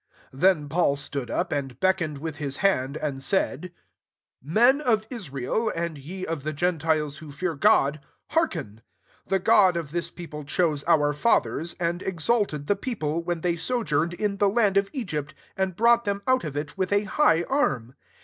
16 Then Paul stood up, and beckoned with hU hand, and said, '*Men of Israel, and ye qf ths gentiles who fear God, hearkcm 17 Th6 God of tWs people chose our fathers, and exalted the people, when they sojourned in the land of Egypt, and brought them out of it with a high arm.